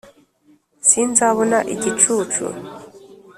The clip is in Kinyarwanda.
sinzabona igicucu,